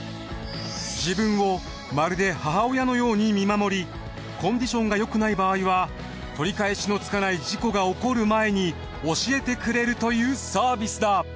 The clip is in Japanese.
自分をまるでコンディションがよくない場合は取り返しのつかない事故が起こる前に教えてくれるというサービスだ。